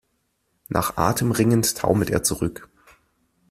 Nach Atem ringend taumelt er zurück.